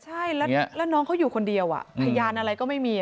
ใช่แล้วน้องเขาอยู่คนเดียวพยานอะไรก็ไม่มี